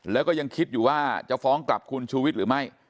แล้วก็ยังคิดอยู่ว่าจะฟ้องกลับคุณชูวิทย์หรือไม่